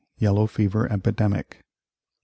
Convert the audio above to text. Yellow fever epidemic 1824.